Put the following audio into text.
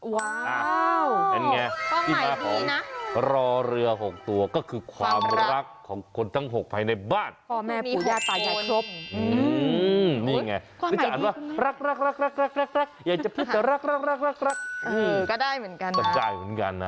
ว้าวความหมายดีนะนี่ไงพี่พ่อรอเรือหกตัวก็คือความรักของคนทั้งหกภายในบ้าน